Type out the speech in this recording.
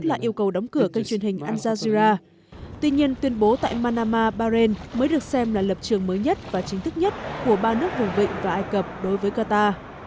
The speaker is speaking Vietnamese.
tuy nhiên tuyên bố tại manama bahrain mới được xem là lập trường mới nhất và chính thức nhất của ba nước vùng vịnh và ai cập đối với qatar